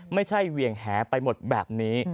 ไม่ใช่เวียงแหไปหมดแบบนี้